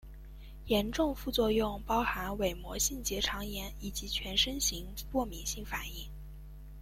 严重副作用包含伪膜性结肠炎及全身型过敏性反应。